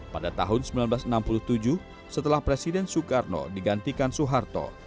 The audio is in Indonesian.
pada tahun seribu sembilan ratus enam puluh tujuh setelah presiden soekarno digantikan soeharto